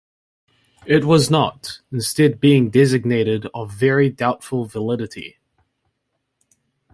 It was not, instead being designated of very doubtful validity.